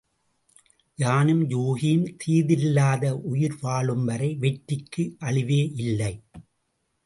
யானும் யூகியும் தீதில்லாது உயிர் வாழும்வரை வெற்றிக்கு அழிவே இல்லை.